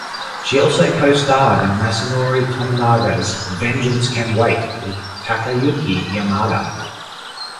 She also co-starred in Masanori Tominaga's "Vengeance Can Wait" with Takayuki Yamada.